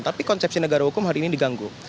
tapi konsepsi negara hukum hari ini diganggu